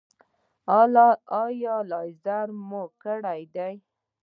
ایا لیزر مو کړی دی؟